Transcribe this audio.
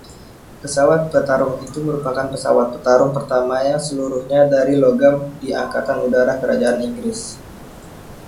Pesawat petarung itu merupakan pesawat petarung pertama yang seluruhnya dari logam di Angkatan Udara Kerajaan Inggris.